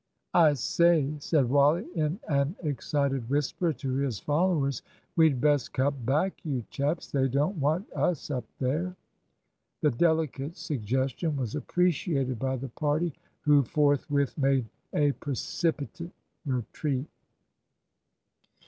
"I say," said Wally, in an excited whisper to his followers, "we'd best cut back, you chaps. They don't want us up there." The delicate suggestion was appreciated by the party, who forthwith made a precipitate retreat.